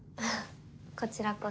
こちらこそ。